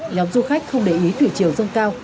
nhóm du khách không để ý thủy triều rông cao